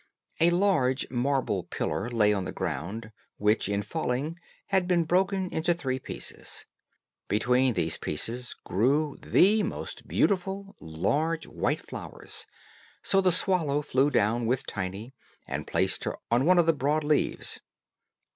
A large marble pillar lay on the ground, which, in falling, had been broken into three pieces. Between these pieces grew the most beautiful large white flowers; so the swallow flew down with Tiny, and placed her on one of the broad leaves.